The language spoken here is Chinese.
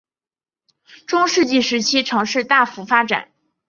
中世纪时期城市大幅发展。